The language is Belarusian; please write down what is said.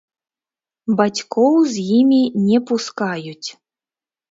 Бацькоў з імі не пускаюць.